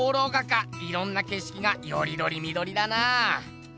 いろんな景色がよりどりみどりだなぁ。